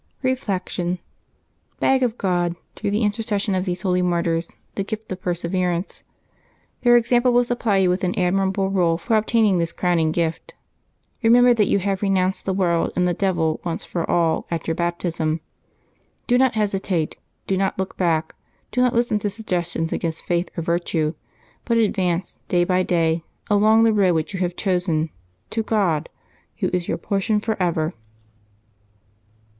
Reflection. — Beg of God, through the interce ssion of these holy martyrs, the gift of perseverance. Their ex ample will supply you with an admirable rule for obtain ing this crowning gift. Remember that you have re nounced the world and the devil once for all at your Baptism. Do not hesitate ; do not look back ; do not listen to suggestions against faith or virtue; but advance, day by day, along the road which you have chosen, to God, Who is your portion forever.